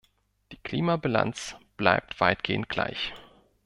Die Klimabilanz bleibt weitgehend gleich.